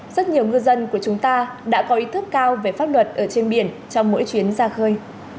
rất nhiều ngư dân của chúng ta đã có ý thức cao về pháp luật ở trên biển trong mỗi chuyến ra khơi